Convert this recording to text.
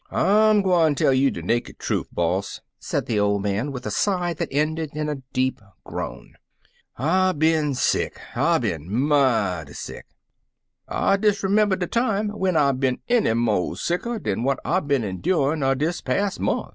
"I 'm gwine tell you de ^lakid troof, boss," said the old man, with a sigh that ended in a deep groan. " I bin sick — I bin mighty sick. I disremember de time when I bin enny mo' sicker dan what I bin endurin' er dis pas' mont'.